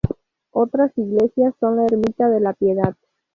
Otras iglesias son la ermita de la Piedad.